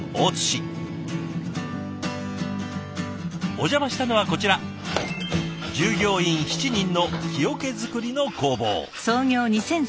お邪魔したのはこちら従業員７人の木桶作りの工房。